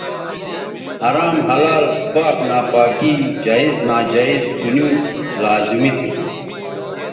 حرام حلال پاک ناپاکی جائز ناجائزپُھنیوں لازمی تھو